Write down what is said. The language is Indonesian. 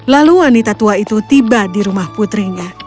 lalu wanita tua itu tiba di rumah putrinya